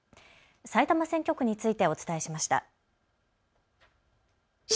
埼玉選挙区についてお伝えしました。